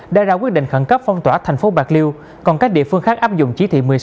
đã ra quyết định khẩn cấp phong tỏa thành phố bạc liêu còn các địa phương khác áp dụng chỉ thị một mươi sáu